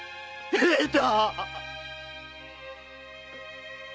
平太！